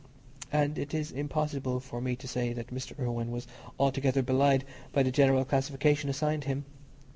And it is impossible for me to say that Mr. Irwine was altogether belied by the generic classification assigned him.